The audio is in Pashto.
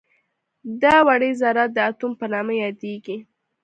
دا وړې ذرات د اتوم په نامه یادیږي.